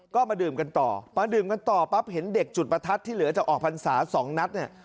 ก็มาดื่มกันต่อมาดื่มกันต่อปั๊บเห็นเด็กจุดประทัดที่เหลือจะออกพรรษาสองนัดเนี่ย